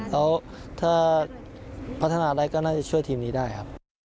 แล้วถ้าพัฒนาได้ก็น่าจะช่วยทีมนี้ได้ครับ